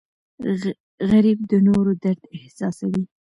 غریب د نورو درد احساسوي